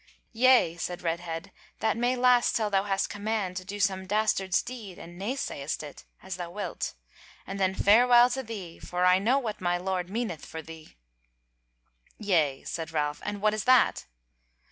"Yea," said Redhead, "that may last till thou hast command to do some dastard's deed and nay sayest it, as thou wilt: and then farewell to thee; for I know what my Lord meaneth for thee." "Yea," said Ralph, "and what is that?"